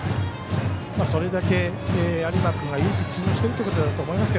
それだけ有馬君がいいピッチングしているということだと思います。